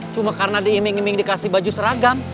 cuma karena diiming iming dikasih baju seragam